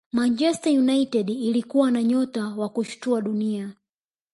manchester united ilikuwa na nyota wa kushtua dunia